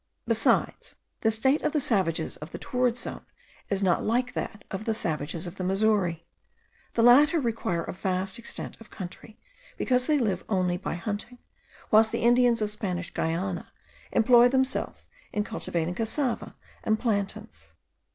Besides, the state of the savages of the torrid zone is not like that of the savages of the Missouri. The latter require a vast extent of country, because they live only by hunting; whilst the Indians of Spanish Guiana employ themselves in cultivating cassava and plantains.